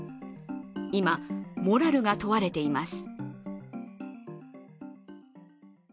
今、モラルが問われています。